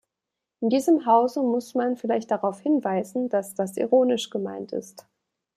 In diesem Hause muss man vielleicht darauf hinweisen, dass das ironisch gemeint ist...